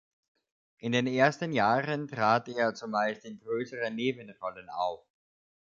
In den ersten Jahren trat er zumeist in größeren Nebenrollen auf.